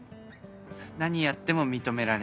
何やっても認められない。